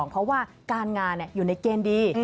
เพราะว่าการงานอยู่ในเกณฑ์ดี